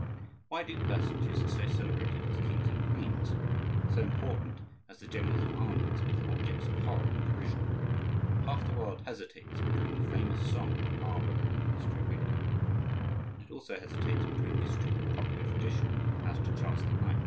Why do personages so celebrated as kings and queens, so important as the generals of armies, become objects of horror or derision? Half the world hesitates between the famous song on Marlborough and the history of England, and it also hesitates between history and popular tradition as to Charles IX.